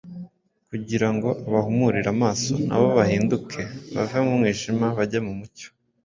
kugira ngo abahumurire amaso, na bo bahindukire bave mu mwijima bajye mu mucyo,